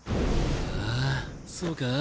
ああそうか？